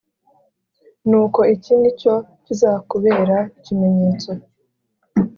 Nuko iki ni cyo kizakubera ikimenyetso